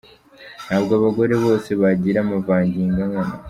Ntabwo abagore bose bagira amavangingo angana.